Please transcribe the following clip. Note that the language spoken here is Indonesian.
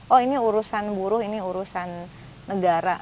oh ini urusan buruh ini urusan negara